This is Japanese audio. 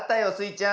ちゃん。